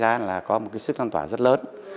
nói ra là có một sức năng tỏa rất lớn